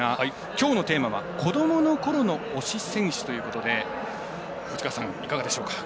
きょうのテーマは「子供の頃の推し選手」ということで藤川さん、いかがでしょうか？